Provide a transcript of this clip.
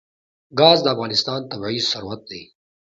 ګاز د افغانستان طبعي ثروت دی.